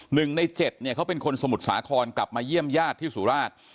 หนึ่งในเจ็ดเนี่ยเขาเป็นคนสมุทรสาครกลับมาเยี่ยมญาติที่สุราช